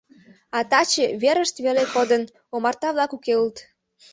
А таче — верышт веле кодын... омарта-влак уке улыт.